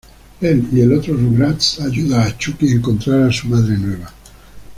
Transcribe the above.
Él y el otro Rugrats ayuda Chuckie encontrar su madre nueva.